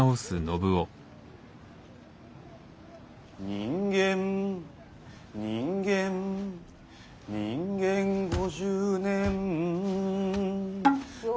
「人間人間」「人間五十年」よ。